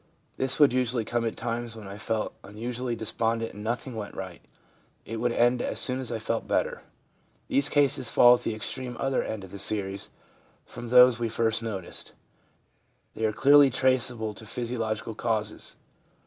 This would usually come at times when I felt un usually despondent and nothing went right; it would end as soon as I felt better/ These cases fall at the extreme other end of the series from those we first noticed. They are clearly traceable to physiological causes.